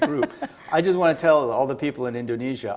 saya ingin memberitahu semua orang di indonesia